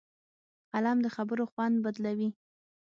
قلم د خبرو خوند بدلوي